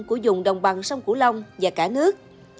của dùng đồng bằng sông cửu long và cả nước